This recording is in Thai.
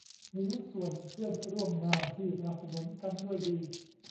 มีหุ้นส่วนเพื่อนร่วมงานที่สนับสนุนกันด้วยดี